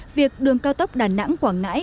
việc đường cao tốc đà nẵng quảng ngãi